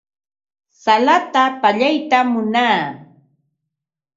Salata pallaytam munaa.